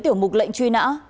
tiểu mục lệnh truy nã